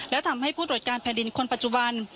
และทำให้ผู้ตรวจการแผ่นดินคนปัจจุบัน